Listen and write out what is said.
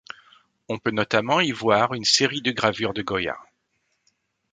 On peut notamment y voir une série de gravures de Goya.